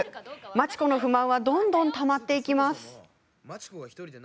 真知子の不満はどんどんたまっていきます。